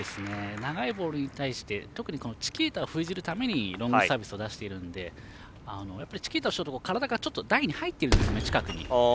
長いボールに対してチキータを封じるためにロングサービスを出しているのでチキータをしようとすると体がちょっと台に入っているんです、近くに。